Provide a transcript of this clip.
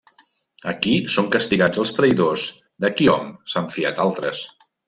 Aquí són castigats els traïdors de qui hom s'han fiat altres.